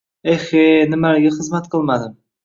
Eh-he, nimalarga xizmat qilmadim